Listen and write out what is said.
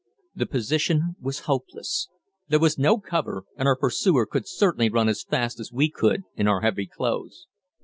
The position was hopeless; there was no cover, and our pursuer could certainly run as fast as we could in our heavy clothes.